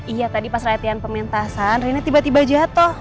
iya tadi pas latihan pementasan rina tiba tiba jatuh